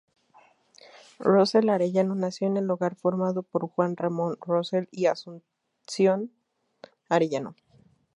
Rossell Arellano nació en el hogar formado por Juan Ramón Rossell y Asunción Arellano.